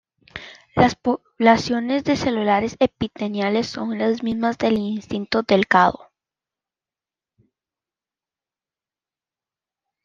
Las poblaciones celulares epiteliales son las mismas del intestino delgado.